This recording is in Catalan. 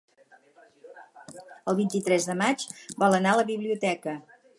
El vint-i-tres de maig vol anar a la biblioteca.